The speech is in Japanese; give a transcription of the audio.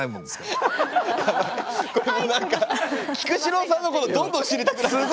何か菊紫郎さんのことどんどん知りたくなる。